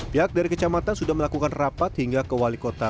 pihak dari kecamatan sudah melakukan rapat hingga ke wali kota